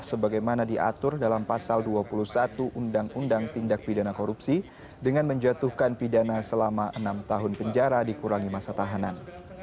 sebagaimana diatur dalam pasal dua puluh satu undang undang tindak pidana korupsi dengan menjatuhkan pidana selama enam tahun penjara dikurangi masa tahanan